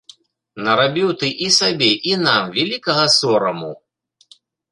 Нарабіў ты і сабе і нам вялікага сораму.